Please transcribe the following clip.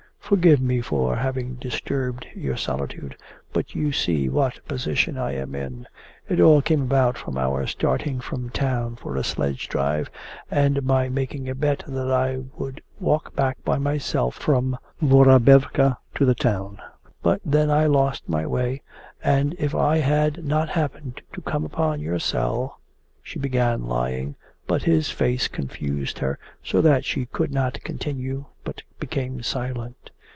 'Forgive me for having disturbed your solitude. But you see what a position I am in. It all came about from our starting from town for a sledge drive, and my making a bet that I would walk back by myself from the Vorobevka to the town. But then I lost my way, and if I had not happened to come upon your cell...' She began lying, but his face confused her so that she could not continue, but became silent.